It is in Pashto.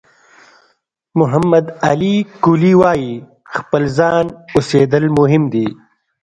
محمد علي کلي وایي خپل ځان اوسېدل مهم دي.